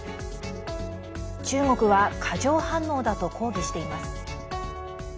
中国は過剰反応だと抗議しています。